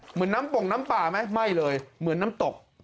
เหมือนน้ำปงน้ำป่าไหมไหม้เลยเหมือนน้ำตก